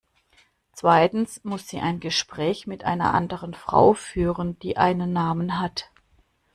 Zweitens muss sie ein Gespräch mit einer anderen Frau führen, die einen Namen hat.